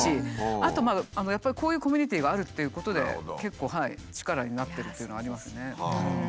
やっぱりこういうコミュニティーがあるっていうことで結構力になってるというのはありますね。